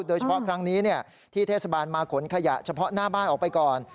โดยเฉพาะครั้งนี้ที่เทศบาลมาขนขยะเฉพาะหน้าบ้านออกไปก่อน